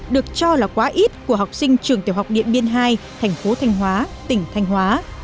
được cho là quá ít của học sinh trường tiểu học điện biên hai thành phố thanh hóa tỉnh thanh hóa